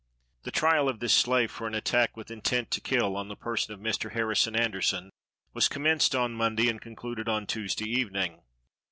The trial of this slave for an attack, with intent to kill, on the person of Mr. Harrison Anderson, was commenced on Monday and concluded on Tuesday evening.